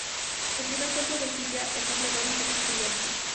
El primer templo de Silla, el templo Dori fue construido aquí.